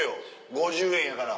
５０円やから。